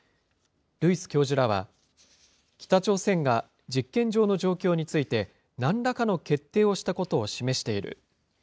ルイス教授らは、北朝鮮が実験場の状況について、なんらかの決定をしたことを示している。